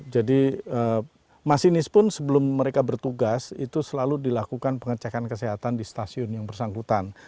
jadi masinis pun sebelum mereka bertugas itu selalu dilakukan pengecekan kesehatan di stasiun yang bersangkutan